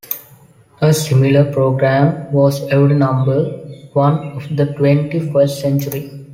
A similar programme was "Every Number One of the Twenty-first Century".